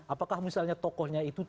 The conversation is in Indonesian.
apakah misalnya tokohnya itu